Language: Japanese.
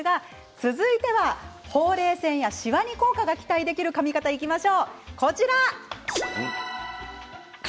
続いては、ほうれい線やしわに効果が期待できるかみ方です。